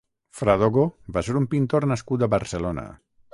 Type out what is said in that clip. Fradogo va ser un pintor nascut a Barcelona.